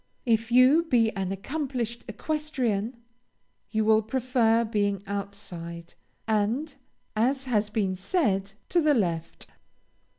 If you be an accomplished equestrian, you will prefer being outside, and (as has been said) to the left.